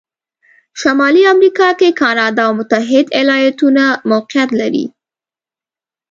شمالي امریکا کې کانادا او متحتد ایالتونه موقعیت لري.